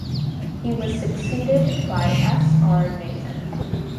He was succeeded by S. R. Nathan.